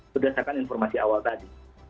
berdasarkan informasi awal tadi